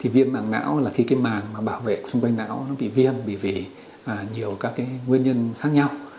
viêm mảng não là khi mảng bảo vệ xung quanh não bị viêm vì nhiều các nguyên nhân khác nhau